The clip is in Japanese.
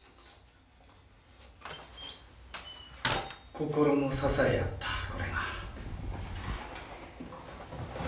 心の支えやったこれが。